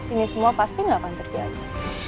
ini semua pasti nggak akan terjadi